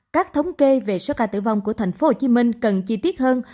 các thống kê về số ca tử vong của tp hcm cần chi tiết hơn